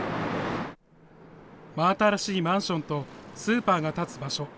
真新しいマンションとスーパーが建つ場所。